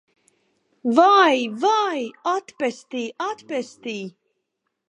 Vai, vai! Atpestī! Atpestī!